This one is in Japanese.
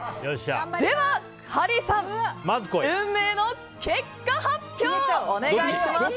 では、ハリーさん運命の結果発表をお願いします。